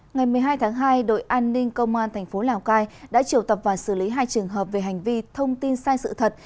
ngày một mươi hai tháng hai đội an ninh công an thành phố lào cai đã triệu tập và xử lý hai trường hợp về hành vi thông tin sai sự thật